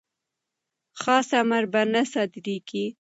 خاص امر به نه صادریږي.